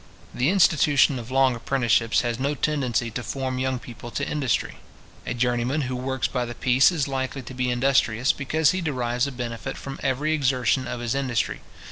The institution of long apprenticeships has no tendency to form young people to industry. A journeyman who works by the piece is likely to be industrious, because he derives a benefit from every exertion of his industry.